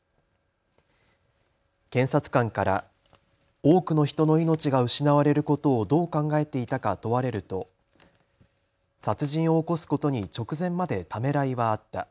検察官から多くの人の命が失われることをどう考えていたか問われると殺人を起こすことに直前までためらいはあった。